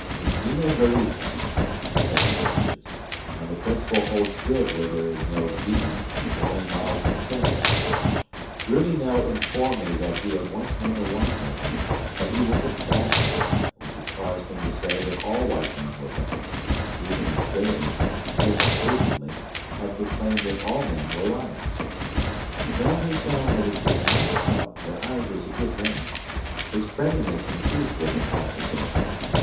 In vino veritas, said the ancients; and the principle holds good where there is no vinum, but only mild casserie. Runi now informed me that he had once known a white man, that he was a bad man, which had caused him to say that all white men were bad; even as David, still more sweepingly, had proclaimed that all men were liars. Now he found that it was not so, that I was a good man. His friendliness increased with intoxication.